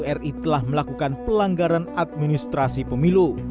kpu ri telah melakukan pelanggaran administrasi pemilu